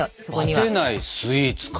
バテないスイーツか。